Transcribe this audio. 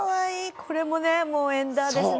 これもねもうエンダーですね。